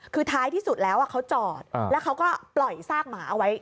คือท้ายที่สุดแล้วเขาจอดแล้วเขาก็ปล่อยซากหมาเอาไว้